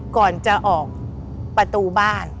ก่อนจะออกประตูบ้าน